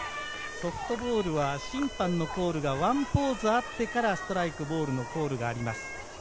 ソフトボールは審判のコールがワンポーズあってからストライク、ボールのコールがあります。